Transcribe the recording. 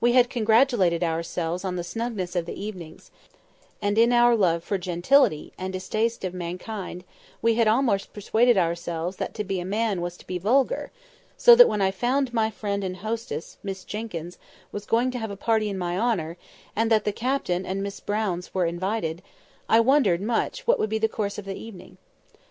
We had congratulated ourselves upon the snugness of the evenings; and, in our love for gentility, and distaste of mankind, we had almost persuaded ourselves that to be a man was to be "vulgar"; so that when I found my friend and hostess, Miss Jenkyns, was going to have a party in my honour, and that Captain and the Miss Browns were invited, I wondered much what would be the course of the evening.